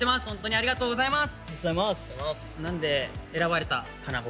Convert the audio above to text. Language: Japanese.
ありがとうございます。